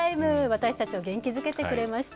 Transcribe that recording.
私たちを元気づけてくれました。